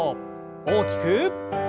大きく。